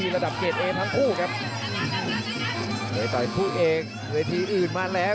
กระโดยสิ้งเล็กนี่ออกกันขาสันเหมือนกันครับ